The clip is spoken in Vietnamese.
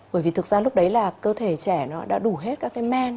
bởi vì thực ra lúc đấy là cơ thể trẻ nó đã đủ hết các cái man